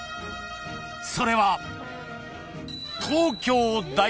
［それは］